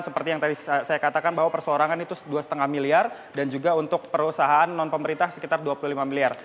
seperti yang tadi saya katakan bahwa perseorangan itu dua lima miliar dan juga untuk perusahaan non pemerintah sekitar dua puluh lima miliar